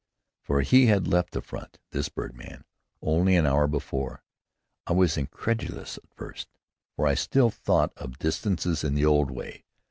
For he had left the front, this birdman, only an hour before! I was incredulous at first, for I still thought of distances in the old way.